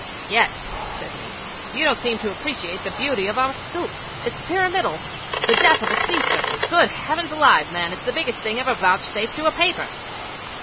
'Yes,' said he. 'You don't seem to appreciate the beauty of our scoop. It's pyramidal the death of the sea serpent! Good heavens alive, man, it's the biggest thing ever vouchsafed to a paper!'